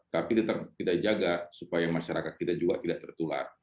tapi tetap kita jaga supaya masyarakat kita juga tidak tertular